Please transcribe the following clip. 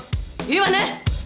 いいわね！？